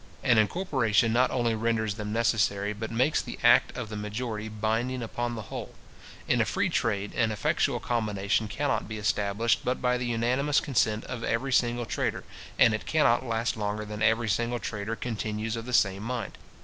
An incorporation not only renders them necessary, but makes the act of the majority binding upon the whole. In a free trade, an effectual combination cannot be established but by the unanimous consent of every single trader, and it cannot last longer than every single trader continues of the same mind.